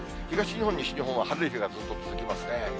東日本、西日本は晴れる日がずっと続きますね。